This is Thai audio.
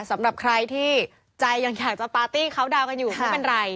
สำหรับใครที่ใจยังอยากจะปาร์ตี้เขาดาวนกันอยู่ไม่เป็นไร